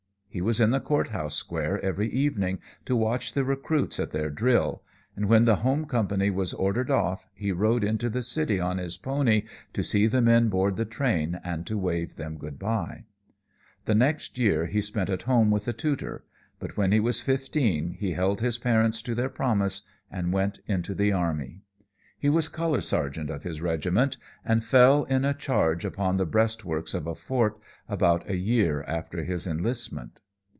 He was in the court house square every evening to watch the recruits at their drill, and when the home company was ordered off he rode into the city on his pony to see the men board the train and to wave them good by. The next year he spent at home with a tutor, but when he was fifteen he held his parents to their promise and went into the army. He was color sergeant of his regiment and fell in a charge upon the breastworks of a fort about a year after his enlistment.